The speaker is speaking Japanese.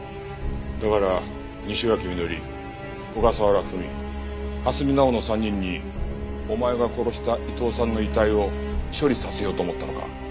だから西脇みのり小笠原史蓮見奈緒の３人にお前が殺した伊藤さんの遺体を処理させようと思ったのか。